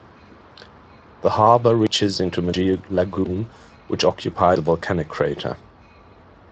The harbour reaches into Mangere Lagoon, which occupies a volcanic crater.